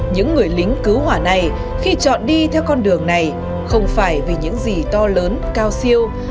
những người lính cứu hỏa này khi chọn đi theo con đường này không phải vì những gì to lớn cao siêu